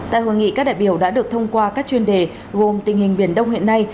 tại hội nghị các đại biểu đã được thông qua các chuyên đề gồm tình hình biển đông hiện nay